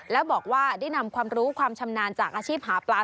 แล้วบอกว่าได้นำความรู้ความชำนาญจากอาชีพหาปลา